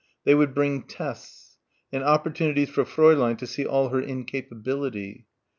They would bring tests; and opportunities for Fräulein to see all her incapability.